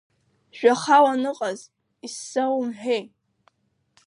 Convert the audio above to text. Жәаха уаныҟаз изсаумҳәеи?